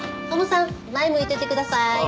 カモさん前向いててください。